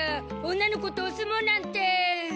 女の子とお相撲なんて。